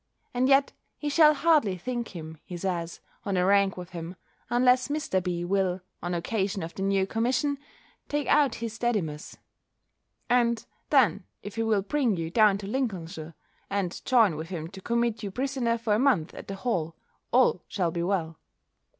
And yet he shall hardly think him, he says, on a rank with him, unless Mr. B. will, on occasion of the new commission, take out his Dedimus: and then if he will bring you down to Lincolnshire, and join with him to commit you prisoner for a month at the Hall, all shall be well.